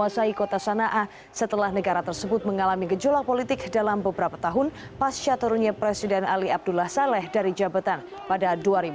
setelah negara tersebut mengalami gejolak politik dalam beberapa tahun pas syaturnya presiden ali abdullah saleh dari jabatan pada dua ribu sebelas